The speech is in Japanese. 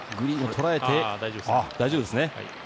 大丈夫ですね。